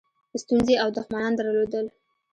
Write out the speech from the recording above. ستونزې او دښمنان درلودل.